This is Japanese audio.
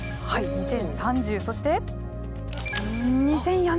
２０３０そして２０４０。